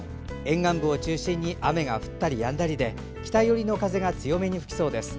沿岸部を中心に雨が降ったりやんだりで北寄りの風が強めに吹きそうです。